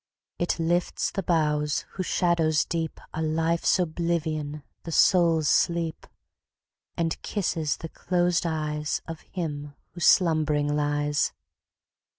It lifts the boughs, whose shadows deep Are Life's oblivion, the soul's sleep, And kisses the closed eyes Of him who slumbering lies.